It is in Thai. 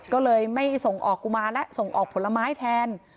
ก็เลยไม่ส่งออกกุมารแล้วส่งออกผลไม้แทน